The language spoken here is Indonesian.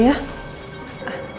ya makasih pak bu